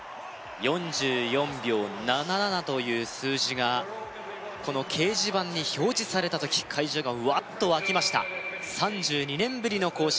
４４秒７７という数字がこの掲示板に表示された時会場がうわっと沸きました３２年ぶりの更新